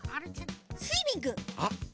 スイミング。